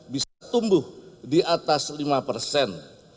bisa tumbuh di atas lima persen